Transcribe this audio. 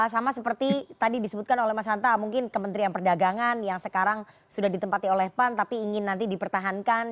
sama seperti tadi disebutkan oleh mas hanta mungkin kementerian perdagangan yang sekarang sudah ditempati oleh pan tapi ingin nanti dipertahankan